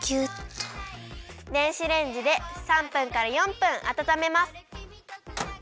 電子レンジで３分から４分あたためます。